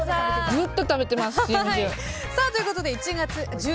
ずっと食べてます、ＣＭ中。